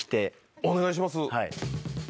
お願いします。